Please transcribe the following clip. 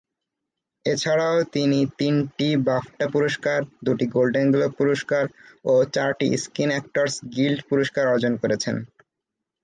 এছাড়াও তিনি তিনটি বাফটা পুরস্কার, দুটি গোল্ডেন গ্লোব পুরস্কার, ও চারটি স্ক্রিন অ্যাক্টরস গিল্ড পুরস্কার অর্জন করেছেন।